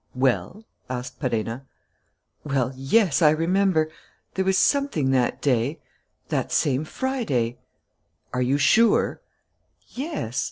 "Well?" asked Perenna. "Well, yes, I remember ... there was something that day ... that same Friday." "Are you sure?" "Yes.